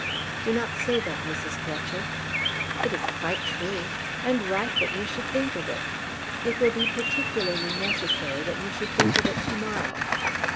"Do not say that, Mrs. Fletcher." "It is quite true; and right that you should think of it. It will be particularly necessary that you should think of it to morrow.